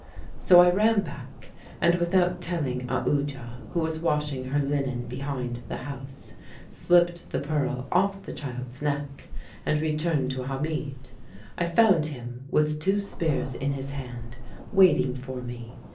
"So I ran back, and without telling Aoodya, who was washing her linen behind the house, slipped the pearl off the child's neck and returned to Hamid. I found him, with two spears in his hand, waiting for me.